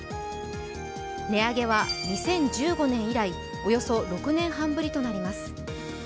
値上げは２０１５年以来およそ６年半ぶりとなります。